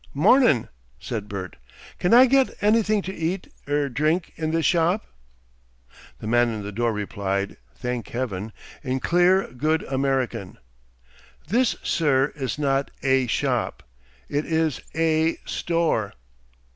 "Mornin'," said Bert. "Can I get anything to eat 'r drink in this shop?" The man in the door replied, thank Heaven, in clear, good American. "This, sir, is not A shop, it is A store."